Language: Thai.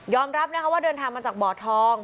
รับนะคะว่าเดินทางมาจากบ่อทอง